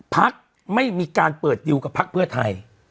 ภักดิ์ไม่มีการเปิดดิวกับภักดิ์เพื่อไทย